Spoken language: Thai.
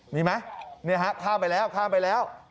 มีไหมนี่ครับข้ามไปแล้ว